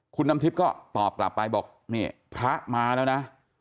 คุณน้ำทิพย์ก็ตอบกลับไปบอกนี่พระมาแล้วนะ